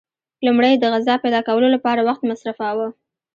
لومړی یې د غذا پیدا کولو لپاره وخت مصرفاوه.